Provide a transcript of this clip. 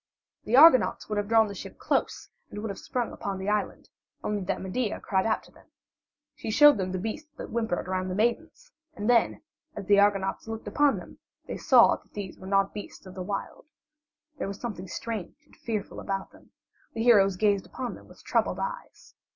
The Argonauts would have drawn the ship close and would have sprung upon the island only that Medea cried out to them. She showed them the beasts that whimpered around the maidens, and then, as the Argonauts looked upon them, they saw that these were not beasts of the wild. There was something strange and fearful about them; the heroes gazed upon them with troubled eyes.